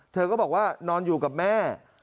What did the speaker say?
เธอก็บอกว่านอนอยู่กับแม่